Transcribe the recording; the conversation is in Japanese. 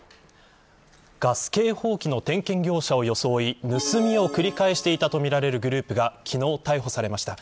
ガス警報器の点検業者を装い盗みを繰り返していたとみられるグループが昨日、逮捕されました。